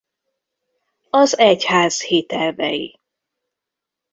Az egyház hitelvei.